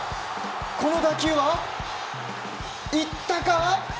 この打球は？いったか。